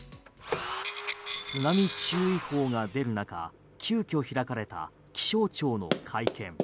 津波注意報が出る中急きょ開かれた気象庁の会見。